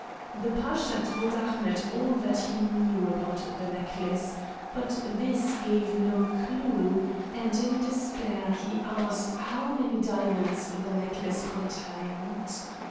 The Pasha told Ahmet all he knew about the necklace, but this gave no clue, and in despair he asked how many diamonds the necklace contained.